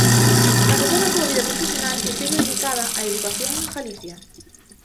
Case toda a súa vida profesional estivo dedicada á educación en Galicia.